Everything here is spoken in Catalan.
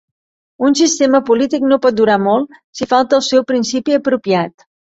Un sistema polític no pot durar molt si falta el seu principi apropiat.